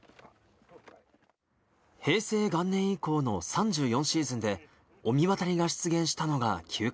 平成元年以降の３４シーズンで御神渡りが出現したのが９回。